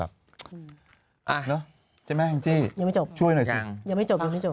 โอเคใช่ไหมทั้งที่ช่วยหน่อยสิ